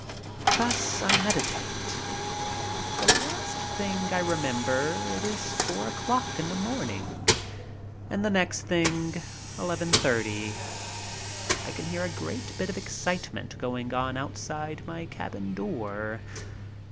Thus I meditate. The last thing I remember it is four o'clock in the morning and the next thing eleven thirty. I can hear a great bit of excite ment going on outside my cabin door.